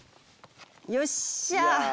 よっしゃ！